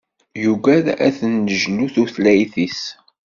Yuggad ad tennejlu tutlayt-is.